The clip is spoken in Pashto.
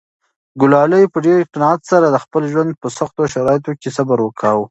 ګلالۍ په ډېر قناعت سره د خپل ژوند په سختو شرایطو کې صبر کاوه.